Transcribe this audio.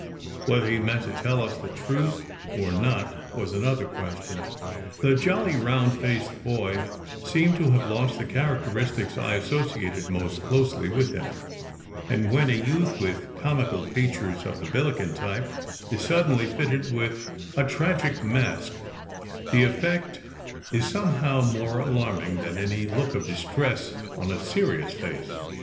Whether he meant to tell us the truth or not was another question. The jolly, round faced boy seemed to have lost the charac teristics I associated most closely with him; and when a a youth with comical features of the Billiken type is sud denly fitted with a tragic mask, the effect is somehow more alarming than any look of distress on a serious face.